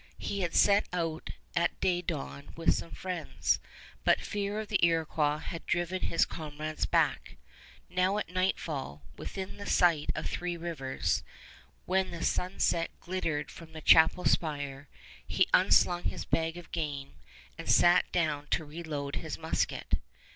He had set out at day dawn with some friends, but fear of the Iroquois had driven his comrades back. Now at nightfall, within sight of Three Rivers, when the sunset glittered from the chapel spire, he unslung his bag of game and sat down to reload his musket.